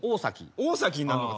大崎になるのか次が。